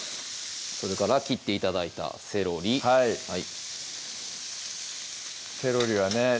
それから切って頂いたセロリはいセロリはね